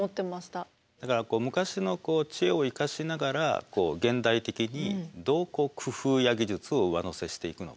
だから昔の知恵を生かしながら現代的にどう工夫や技術を上乗せしていくのかと。